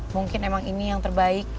mungkin emang ini yang terbaik